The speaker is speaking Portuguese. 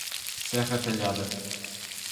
Serra Talhada